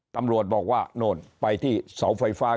ตำรวจบอกว่าโน่นไปที่เสาไฟฟ้า